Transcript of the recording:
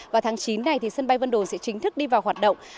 vào tháng chín này sân bay vân đồn sẽ chính thức đi vào hoạt động